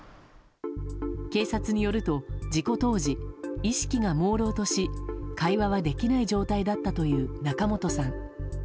警察によると、事故当時意識がもうろうとし会話はできない状態だったという仲本さん。